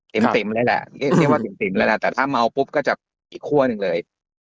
ติ๋มติ๋มเลยแหละนี่เรียกว่าติ๋มติ๋มเลยแหละแต่ถ้าเมาปุ๊บก็จะอีกขั้วหนึ่งเลย